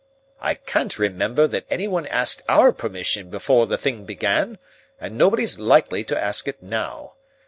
"I can't remember that anyone asked our permission before the thing began, and nobody's likely to ask it now.